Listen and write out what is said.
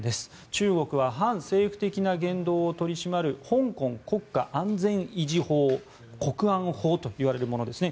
中国は反政府的な言動を取り締まる香港国家安全維持法国安法といわれるものですね